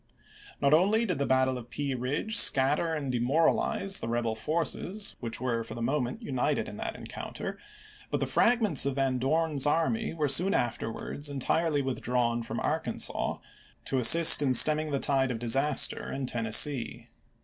Not only did the battle of Pea Ridge scatter and demoralize the March, 1862, rebel forces which were for the moment united in that encounter, but the fragments of Van Dorn's army were soon afterwards entirely withdrawn from Arkansas to assist in stemming the tide of 372 ABKAHMI LINCOLN CH. XVIII. disaster in Tennessee.